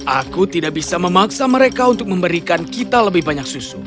aku tidak bisa memaksa mereka untuk memberikan kita lebih banyak susu